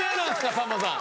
さんまさん